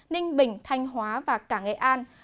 ninh bình thanh hóa và cả nghệ an